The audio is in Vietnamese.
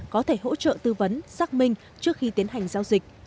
có thể hỗ trợ tư vấn xác minh trước khi tiến hành giao dịch